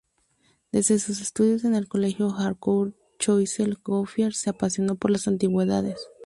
Desde sus estudios en el colegio de Harcourt, Choiseul-Gouffier se apasionó por las antigüedades.